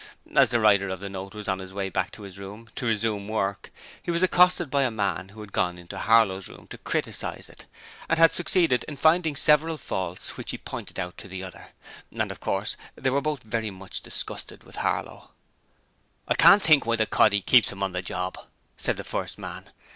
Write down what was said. As the writer of the note was on his way back to his room to resume work he was accosted by a man who had gone into Harlow's room to criticize it, and had succeeded in finding several faults which he pointed out to the other, and of course they were both very much disgusted with Harlow. 'I can't think why the coddy keeps him on the job,' said the first man.